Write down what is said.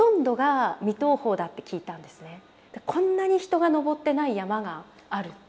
でこんなに人が登ってない山がある。